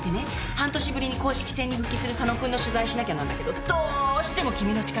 半年ぶりに公式戦に復帰する佐野君の取材しなきゃなんだけどどうしても君の力が必要なのよ。